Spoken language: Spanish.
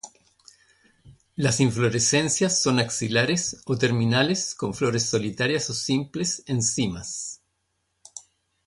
Las inflorescencias son axilares o terminales con flores solitarias o simples en cimas.